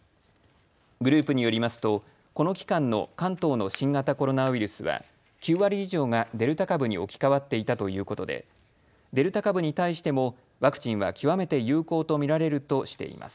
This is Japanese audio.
グループによりますとこの期間の関東の新型コロナウイルスは９割以上がデルタ株に置き換わっていたということでデルタ株に対してもワクチンは極めて有効と見られるとしています。